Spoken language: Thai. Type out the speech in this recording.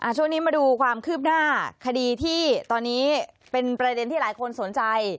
ช่วงนี้มาดูความคืบหน้าคดีที่ตอนนี้เป็นประเด็นที่หลายคนสนใจ